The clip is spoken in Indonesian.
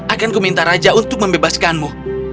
akan kuminta raja untuk membebaskanmu